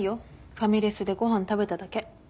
ファミレスでご飯食べただけ。